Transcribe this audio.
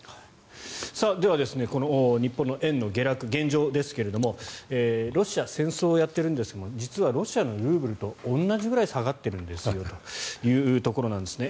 では、この日本の円の下落現状ですがロシアは戦争をやってるんですが実はロシアのルーブルと同じくらい下がっているんですよというところなんですね。